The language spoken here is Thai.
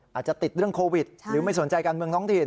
อาจจะติดเรื่องโควิดหรือไม่สนใจการเมืองท้องถิ่น